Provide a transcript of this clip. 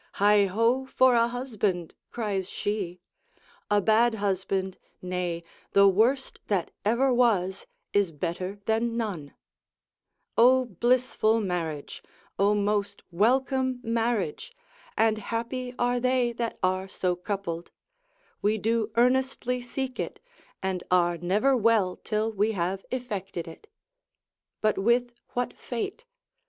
Heigh ho for a husband, cries she, a bad husband, nay, the worst that ever was is better than none: O blissful marriage, O most welcome marriage, and happy are they that are so coupled: we do earnestly seek it, and are never well till we have effected it. But with what fate?